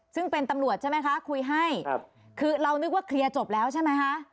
ซึ่งเป็นตำรวจใช่ไหมคะคุยให้คือเรานึกว่าเคลียร์จบแล้วใช่ไหมคะ